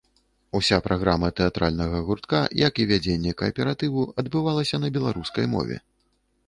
Уся праграма тэатральнага гуртка, як і вядзенне кааператыву, адбываліся на беларускай мове.